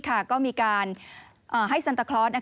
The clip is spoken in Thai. ก็มีการให้ซันตาคลอส